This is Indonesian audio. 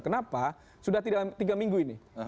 kenapa sudah tidak tiga minggu ini